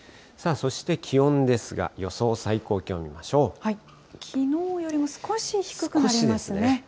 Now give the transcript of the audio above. そして気温ですが、予想最高気温きのうよりも少し低くなりま少しですね。